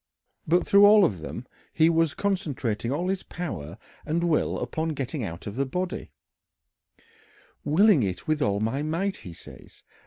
But through all of them he was concentrating all his power and will upon getting out of the body "willing it with all my might," he says.